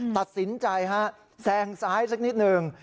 ตัดสินใจฮะแซงซ้ายสักนิดหนึ่ง